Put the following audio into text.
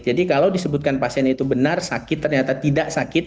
jadi kalau disebutkan pasien itu benar sakit ternyata tidak sakit